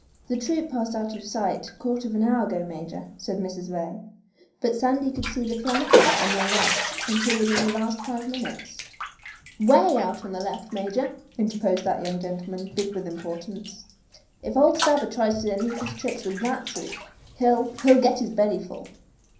"The troop passed out of sight quarter of an hour ago, major," said Mrs. Ray. "But Sandy could see the flankers on their left until within the last five minutes." "Way out on their left, major!" interposed that young gentleman, big with importance. "If old Stabber tries any of his tricks with that troop he'll he'll get his belly full!"